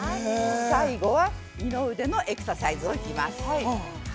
最後は、二の腕のエクササイズを行きます。